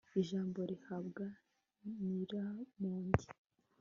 ijambo rihabwa nyiramongi